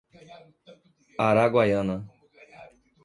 Araguaiana